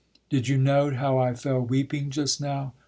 Did you note how I Fell weeping just now?